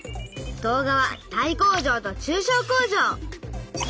動画は「大工場と中小工場」！